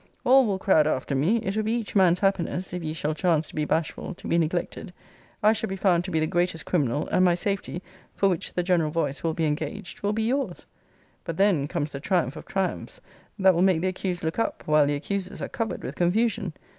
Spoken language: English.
All will crowd after me: it will be each man's happiness (if ye shall chance to be bashful) to be neglected: I shall be found to be the greatest criminal; and my safety, for which the general voice will be engaged, will be yours. But then comes the triumph of triumphs, that will make the accused look up, while the accusers are covered with confusion.